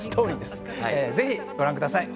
ぜひご覧ください。